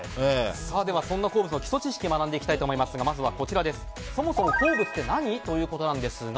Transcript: そんな鉱物の基礎知識を学んでいきたいと思いますがまず、そもそも鉱物って何ということですが。